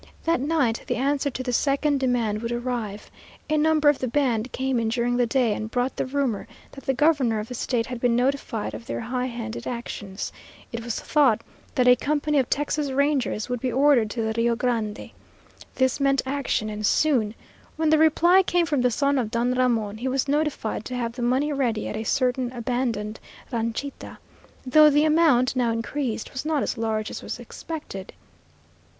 That night the answer to the second demand would arrive. A number of the band came in during the day and brought the rumor that the governor of the State had been notified of their high handed actions. It was thought that a company of Texas Rangers would be ordered to the Rio Grande. This meant action, and soon. When the reply came from the son of Don Ramon, he was notified to have the money ready at a certain abandoned ranchita, though the amount, now increased, was not as large as was expected.